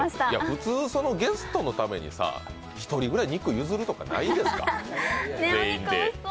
普通、ゲストのために１人ぐらい肉を譲るとかないんですか？